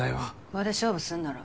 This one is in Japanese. これで勝負すんだろ。